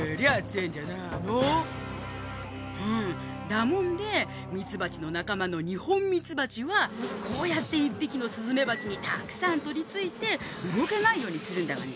だもんでミツバチのなかまのニホンミツバチはこうやって１ぴきのスズメバチにたくさんとりついてうごけないようにするんだがね。